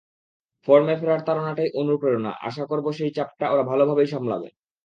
ফর্মে ফেরার তাড়নাটাই অনুপ্রেরণা, আশা করব সেই চাপটা ওরা ভালোভাবেই সামলাবে।